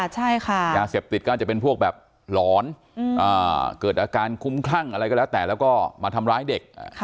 ใช่ค่ะยาเสพติดก็อาจจะเป็นพวกแบบหลอนเกิดอาการคุ้มคลั่งอะไรก็แล้วแต่แล้วก็มาทำร้ายเด็ก